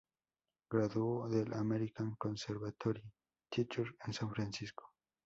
Graduó del American Conservatory Theater en San Francisco.